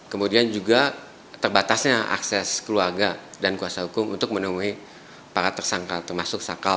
kemudian juga terbatasnya akses keluarga dan kuasa hukum untuk menemui para tersangka termasuk sakal